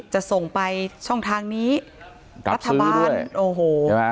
จะส่งไปช่องทางนี้รัฐบาลโอ้โหใช่ไหม